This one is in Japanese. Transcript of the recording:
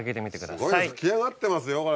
すごい噴き上がってますよこれ。